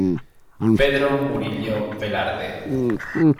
Pedro Murillo Velarde.